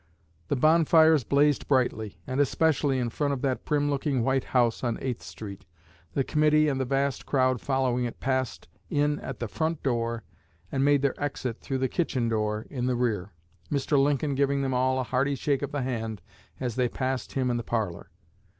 The bonfires blazed brightly, and especially in front of that prim looking white house on Eighth street. The committee and the vast crowd following it passed in at the front door, and made their exit through the kitchen door in the rear, Mr. Lincoln giving them all a hearty shake of the hand as they passed him in the parlor.